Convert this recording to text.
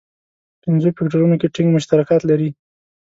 پنځو فکټورونو کې ټینګ مشترکات لري.